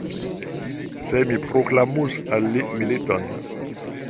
Se mi proklamus al li militon!